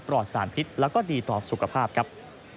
อดสารพิษแล้วก็ดีต่อสุขภาพครับ